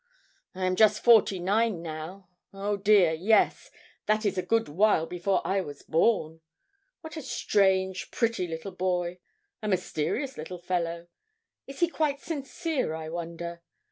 I am just forty nine now. Oh dear, yes; that is a good while before I was born. What a strange, pretty little boy! a mysterious little fellow. Is he quite sincere, I wonder?